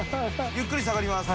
ゆっくり下がります。